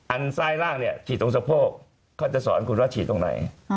ซ้ายล่างเนี่ยฉีดตรงสะโพกเขาจะสอนคุณว่าฉีดตรงไหน